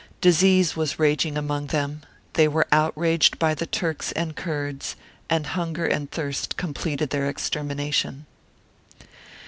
Disease was raging among them; they were outraged by the Turks and Kurds ; and hunger and thirst completed their extermination.